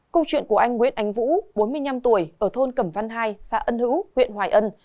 câu chuyện của anh nguyễn ánh vũ bốn mươi năm tuổi ở thôn cẩm văn hai xã ân hữu huyện hoài ân